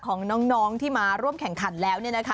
ของน้องที่มาร่วมแข่งขันแล้ว